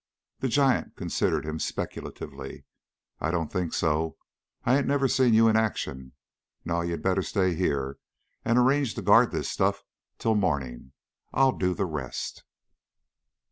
The giant considered him speculatively. "I don't think so. I ain't never seen you in action. No, you better stay here and arrange to guard this stuff till morning. I'll do the rest."